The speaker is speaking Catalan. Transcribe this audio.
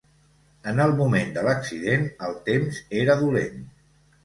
En el moment de l'accident el temps era dolent.